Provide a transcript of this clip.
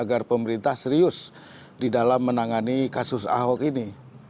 agar pemerintah serius di dalam menangani kasus ahok ini